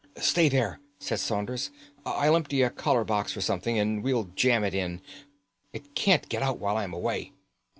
"Stay there," said Saunders. "I'll empty a collar box or something, and we'll jam it in. It can't get out while I'm away."